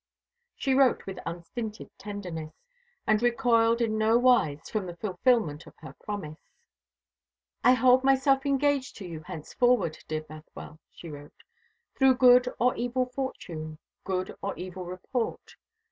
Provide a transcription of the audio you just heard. She wrote with unstinted tenderness, and recoiled in nowise from the fulfilment of her promise. "I hold myself engaged to you henceforward, dear Bothwell," she wrote, "through good or evil fortune, good or evil report.